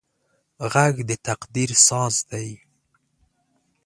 غږ د تقدیر ساز دی